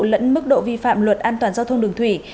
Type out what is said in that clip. lẫn mức độ vi phạm luật an toàn giao thông đường thủy